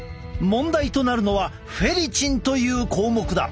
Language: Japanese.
問題となるのはフェリチンという項目だ。